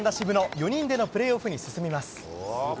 ４人でのプレーオフに進みます。